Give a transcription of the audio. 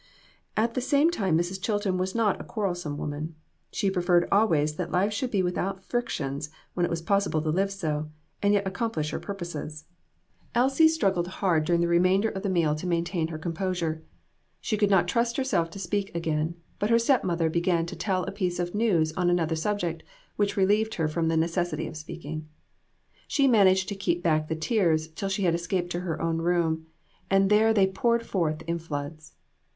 At the same time Mrs. Chilton was not a quarrelsome woman. She preferred always that life should be without frictions when it was possi ble to live so, and yet accomplish her purposes. Elsie struggled hard during the remainder of AN EVENTFUL AFTERNOON. 2Q3 the meal to maintain her composure. She could not trust herself to speak again, but her step mother began to tell a piece of news on another subject, which relieved her from the necessity of speaking. She managed to keep back the tears till she had escaped to her own room, and there they poured forth in floods.